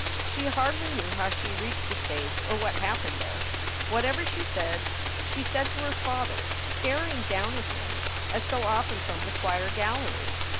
She hardly knew how she reached the stage or what happened there. Whatever she said, she said to her father, staring down at him as so often from the choir gallery.